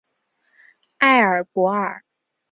埃尔博尔。